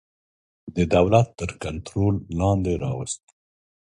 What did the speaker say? د دولت تر کنټرول لاندي راوستل.